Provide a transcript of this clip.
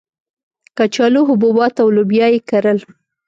کچالو، حبوبات او لوبیا یې کرل.